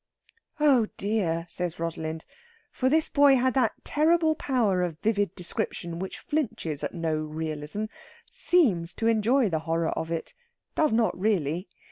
"Oh dear!" says Rosalind; for this boy had that terrible power of vivid description which flinches at no realism seems to enjoy the horror of it; does not really.